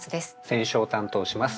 選書を担当します